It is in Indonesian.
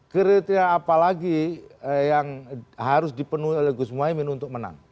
kriteria apalagi yang harus dipenuhi oleh gus muhyimin untuk menang